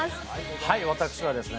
はい私はですね